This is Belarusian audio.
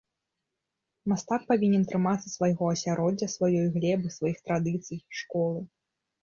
Мастак павінен трымацца свайго асяроддзя, сваёй глебы, сваіх традыцый, школы.